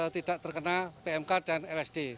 tidak terkena pmk dan lsd